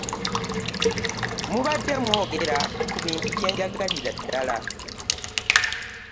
Mubadde mwogera ku bintu bye njagalira ddala.